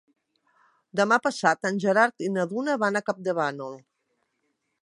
Demà passat en Gerard i na Duna van a Campdevànol.